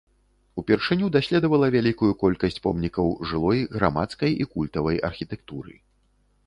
Упершыню даследавала вялікую колькасць помнікаў жылой, грамадскай і культавай архітэктуры.